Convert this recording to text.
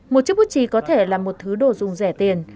một chiếc bút trì có thể là một thứ đồ dùng rẻ tiền